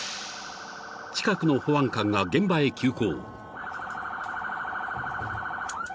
［近くの保安官が現場へ急行］